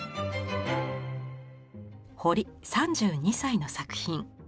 堀３２歳の作品。